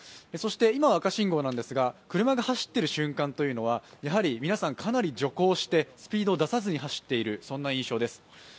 そして今は赤信号なんですが、車が走っている瞬間というのは皆さん、かなり徐行してスピードを出さずに走っているという印象です。